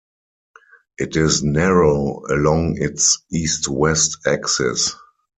It is narrow along its east-west axis.